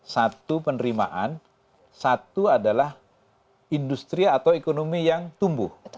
satu penerimaan satu adalah industri atau ekonomi yang tumbuh